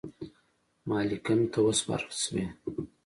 مالکم ته وسپارل سوې.